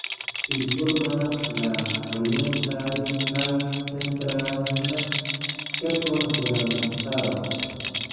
Ili formas la orientan kaj centran kernon de la montaro.